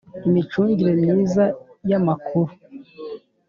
Imicungire myiza y amakuru